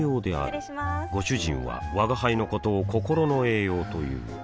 失礼しまーすご主人は吾輩のことを心の栄養という